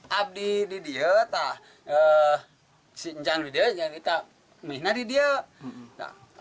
kami berdua di rumah kami berdua di rumah